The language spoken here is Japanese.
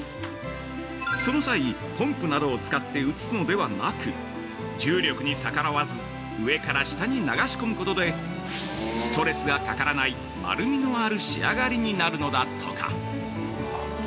その際、ポンプなどを使って移すのではなく重力に逆らわず上から下に流し込むことでストレスがかからない丸みのある仕上がりになるのだとか。